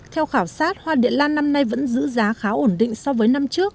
theo khảo sát hoa địa lan năm nay vẫn giữ giá khá ổn định so với năm trước